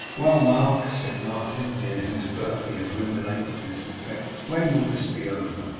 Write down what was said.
'Well, Mark,' said Martin, near whose berth he had ruminated to this effect. 'When will this be over?